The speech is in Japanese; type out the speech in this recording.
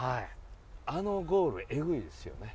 あのゴール、えぐいですよね。